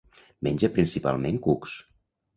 Menja principalment cucs.